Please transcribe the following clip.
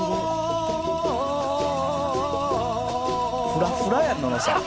「フラフラやん！ののさん」